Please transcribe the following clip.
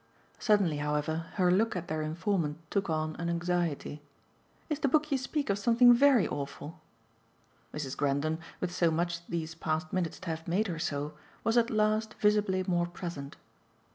Suddenly, however, her look at their informant took on an anxiety. "Is the book you speak of something VERY awful?" Mrs. Grendon, with so much these past minutes to have made her so, was at last visibly more present.